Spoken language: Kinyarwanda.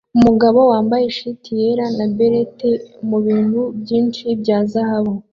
Umugabo wambaye shit yera na beret mubintu byinshi bya zahabu